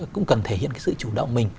cũng cần thể hiện cái sự chủ động mình